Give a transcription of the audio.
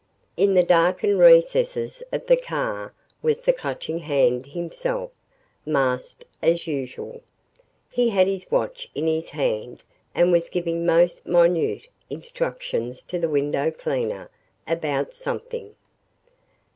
In the darkened recesses of the car was the Clutching Hand himself, masked as usual. He had his watch in his hand and was giving most minute instructions to the window cleaner about something.